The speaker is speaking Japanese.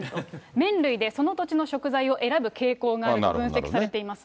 麺類でその土地の食材を選ぶ傾向があると分析されていますね。